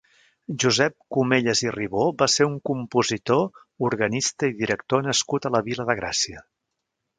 Josep Cumellas i Ribó va ser un compositor, organista i director nascut a la Vila de Gràcia.